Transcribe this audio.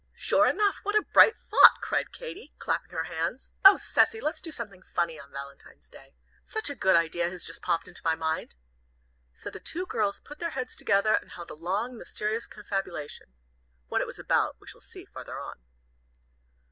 "Sure enough. What a bright thought!" cried Katy, clapping her hands. "Oh, Cecy, let's do something funny on Valentine's Day! Such a good idea has just popped into my mind." So the two girls put their heads together and held a long, mysterious confabulation. What it was about, we shall see farther on.